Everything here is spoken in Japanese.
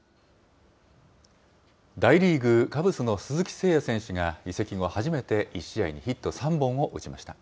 大リーグ・カブスの鈴木誠也選手が、移籍後初めて１試合にヒット３本を打ちました。